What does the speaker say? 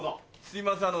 ・すいません